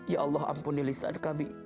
ya allah ampuni lisan kami